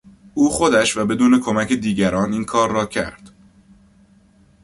او خودش و بدون کمک دیگران این کار را کرد.